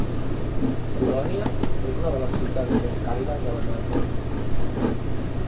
Colònia és una de les ciutats més càlides d'Alemanya.